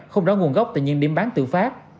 không rõ nguồn gốc tại những điểm bán tự phát